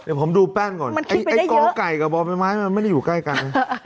เดี๋ยวผมดูแป้งก่อนไอ้กอไก่กับบ่อใบไม้มันไม่ได้อยู่ใกล้กัน